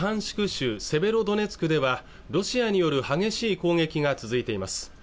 州セベロドネツクではロシアによる激しい攻撃が続いています